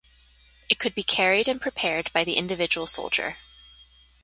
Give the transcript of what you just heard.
It could be carried and prepared by the individual soldier.